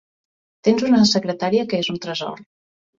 Tens una secretària que és un tresor.